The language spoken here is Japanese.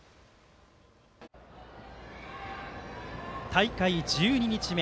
大会１２日目。